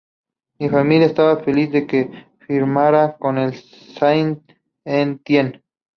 Mi familia estaba feliz de que firmara con el Saint-Étienne.